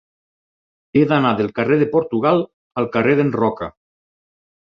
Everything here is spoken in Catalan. He d'anar del carrer de Portugal al carrer d'en Roca.